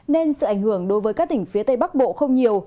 nên sự ảnh hưởng đối với các tỉnh phía tây bắc bộ không nhiều